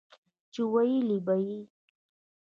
چې وييل به يې